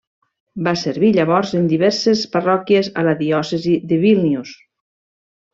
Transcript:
Va servir llavors en diverses parròquies a la diòcesi de Vílnius.